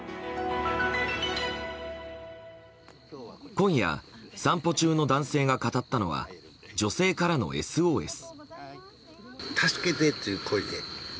今夜、散歩中の男性が語ったのは女性からのＳＯＳ。